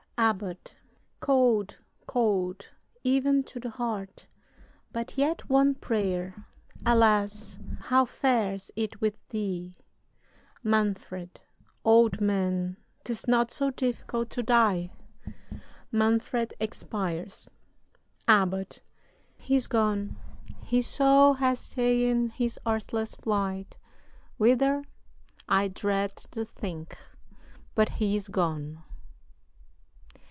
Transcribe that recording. "ABBOT. Cold cold even to the heart; But yet one prayer. Alas! how fares it with thee? "MANFRED. Old man! 'tis not so difficult to die." [MANFRED expires.] "ABBOT. He's gone his soul hath ta'en his earthless flight. Whither? I dread to think; but he is gone."